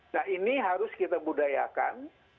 nah ini harus kita budayakan